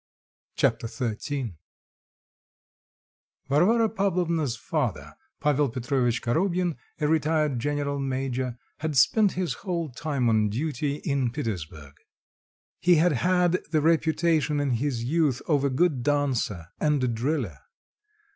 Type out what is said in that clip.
Chapter XIII Varvara Pavlovna's father, Pavel Petrovitch Korobyin, a retired general major, had spent his whole time on duty in Petersburg. He had had the reputation in his youth of a good dancer and driller.